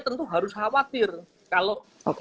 tentu harus khawatir kalau